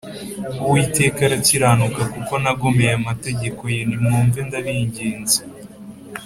Uwiteka arakiranuka kuko nagomeye amategeko ye, Nimwumve ndabinginze,